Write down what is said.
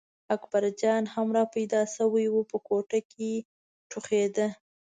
اکبرجان هم را پیدا شوی و په کوټه کې ټوخېده.